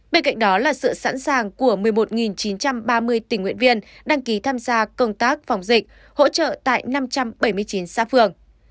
bên cạnh đó là sự sẵn sàng của một mươi một chín trăm ba mươi tình nguyện viên đăng ký tham gia công tác phòng dịch hỗ trợ tại năm trăm bảy mươi chín xã phường